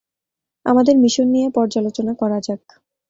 আমাদের মিশন নিয়ে পর্যালোচনা করা যাক।